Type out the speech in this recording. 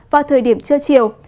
vào thời điểm trưa chiều